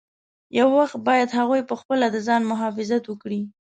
یو وخت باید هغوی پخپله د ځان مخافظت وکړي.